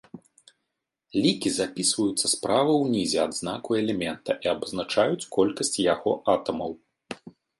Лікі запісваюцца справа ўнізе ад знаку элемента і абазначаюць колькасць яго атамаў.